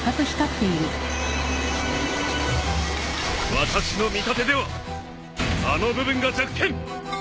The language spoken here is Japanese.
私の見立てではあの部分が弱点！